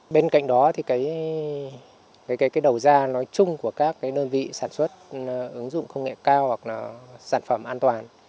bên cạnh đó thì cái đầu ra nói chung của các đơn vị sản xuất ứng dụng công nghệ cao hoặc là sản phẩm an toàn